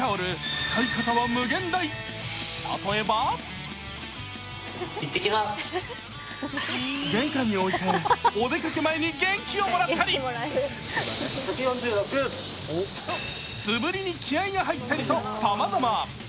使い方は無限大、例えば玄関に置いて、お出かけ前に元気をもらったり素振りに気合いが入ったりとさまざま。